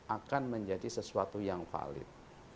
akan menjadi sesuatu yang valid